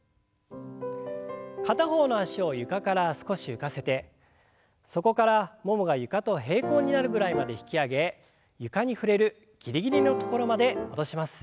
片方の脚を床から少し浮かせてそこからももが床と平行になるぐらいまで引き上げ床に触れるギリギリの所まで戻します。